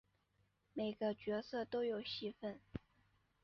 每个角色都有戏份